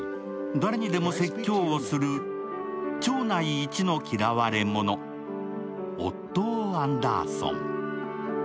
誰にでも説教をする町内一の嫌われ者、オットー・アンダーソン。